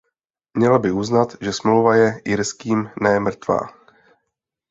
Měla by uznat, že Smlouva je irským ne mrtvá.